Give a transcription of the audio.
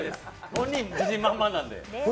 本人自信満々なんで。